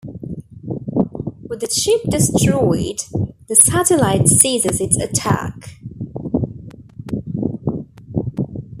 With the chip destroyed, the satellite ceases its attack.